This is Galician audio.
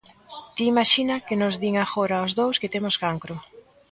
Ti imaxina que nos din agora aos dous que temos cancro.